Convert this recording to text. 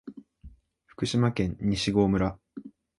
福島県西郷村